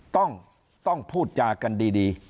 ต้องต้องพูดจากันดี